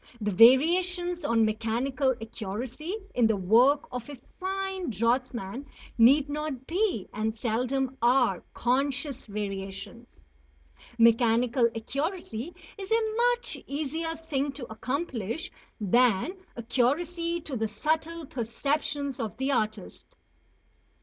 The variations on mechanical accuracy in the work of a fine draughtsman need not be, and seldom are, conscious variations. Mechanical accuracy is a much easier thing to accomplish than accuracy to the subtle perceptions of the artist.